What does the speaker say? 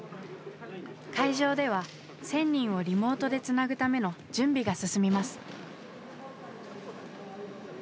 会場では１，０００人をリモートでつなぐための準備が進みます。